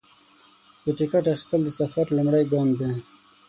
د ټکټ اخیستل د سفر لومړی ګام دی.